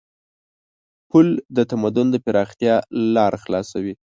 پُل د تمدن د پراختیا لار خلاصوي.